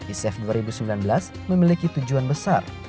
i saf dua ribu sembilan belas memiliki tujuan besar